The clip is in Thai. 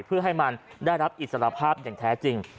เพื่อให้มันได้รับอิสรภาพอย่างแท้จริง